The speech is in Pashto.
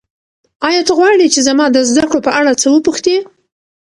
ایا ته غواړې چې زما د زده کړو په اړه څه وپوښتې؟